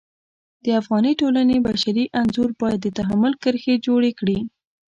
د افغاني ټولنې بشري انځور باید د تحمل کرښې جوړې کړي.